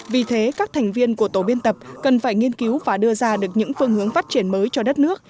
vì thế các thành viên của tổ biên tập cần phải nghiên cứu và đưa ra được những phương hướng phát triển mới cho đất nước